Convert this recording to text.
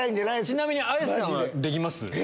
ちなみに綾瀬さんはできます？